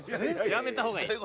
やめた方がいい。